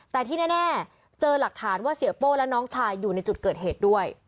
แต่ที่แน่เจอหลักฐานว่าเสียโป้และน้องชายอยู่ในจุดเกิดเหตุด้วย